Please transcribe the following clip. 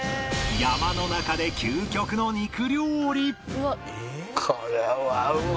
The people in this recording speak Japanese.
山の中で究極の肉料理